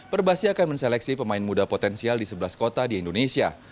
perbasi akan menseleksi pemain muda potensial di sebelas kota di indonesia